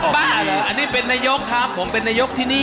บ้าเหรออันนี้เป็นนายกครับผมเป็นนายกที่นี่